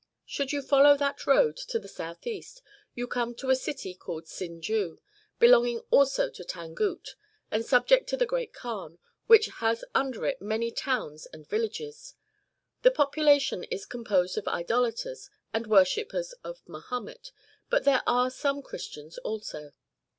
Should you follow that road to the south east, you come to a city called Sinju, belonging also to Tangut, and subject to the Great Kaan, which has under it many towns and villages.^ The popula tion is composed of Idolaters, and worshippers of Mahommet, but there are some Christians also.